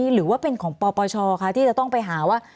หรือว่าเป็นของปปชคะที่จะต้องไปหาว่า